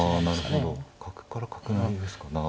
ああなるほど角から角なんですか。